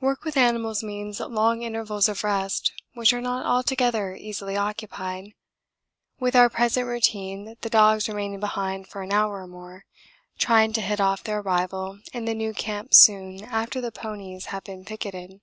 Work with animals means long intervals of rest which are not altogether easily occupied. With our present routine the dogs remain behind for an hour or more, trying to hit off their arrival in the new camp soon after the ponies have been picketed.